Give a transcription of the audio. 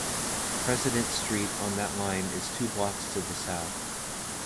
President Street on that line is two blocks to the south.